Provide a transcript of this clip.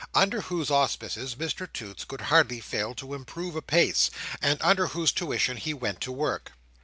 Under whose auspices Mr Toots could hardly fail to improve apace, and under whose tuition he went to work.